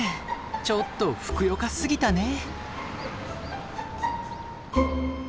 ちょっとふくよかすぎたね。